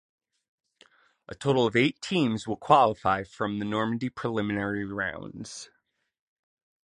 A total of eight teams will qualify from the Normandy preliminary rounds.